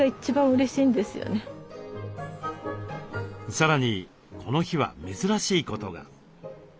さらにこの日は珍しいことが。